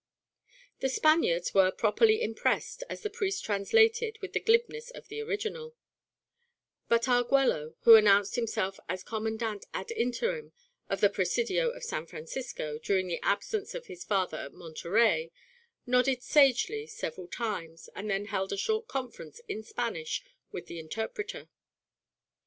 The Spaniards were properly impressed as the priest translated with the glibness of the original; but Arguello, who announced himself as Commandante ad interim of the Presidio of San Francisco during the absence of his father at Monterey, nodded sagely several times, and then held a short conference in Spanish with the interpreter.